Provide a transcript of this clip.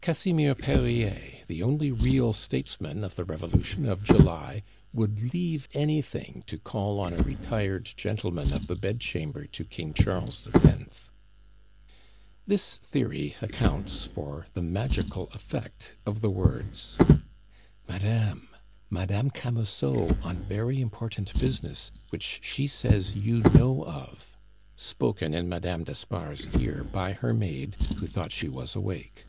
Casimir Perier, the only real statesman of the Revolution of July, would leave anything to call on a retired Gentleman of the bed chamber to King Charles X. This theory accounts for the magical effect of the words: "Madame, Madame Camusot, on very important business, which she says you know of," spoken in Madame d'Espard's ear by her maid, who thought she was awake.